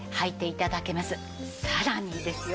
さらにですよ